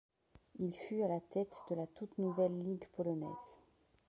Il fut à la tête de la toute nouvelle Ligue polonaise.